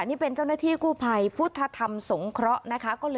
นี่เป็นเจ้าหน้าที่กู้ภัยพุทธธรรมสงเคราะห์นะคะ